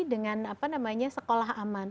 dengan apa namanya sekolah aman